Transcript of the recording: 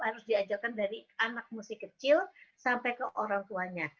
harus diajarkan dari anak musik kecil sampai ke orang tuanya